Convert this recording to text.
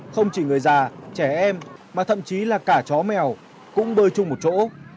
không chỉ người già trẻ em mà thậm chí là cả chó mèo cũng bơi chung một chỗ